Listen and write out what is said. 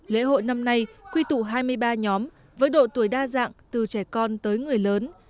lễ hội năm nay quy tụ hai mươi ba nhóm với độ tuổi đa dạng từ trẻ con tới người lớn